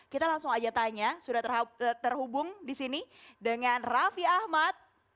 kita langsung aja tanya sudah terhubung di sini dengan raffi ahmad